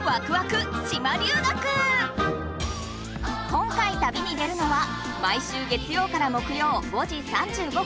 今回たびに出るのは毎週月曜から木曜５時３５分